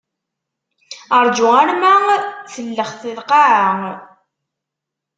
Rǧu arma tellext lqaɛa.